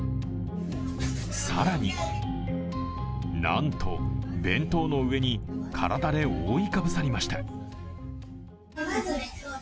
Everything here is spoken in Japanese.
更に、なんと弁当の上に体で覆いかぶさりました。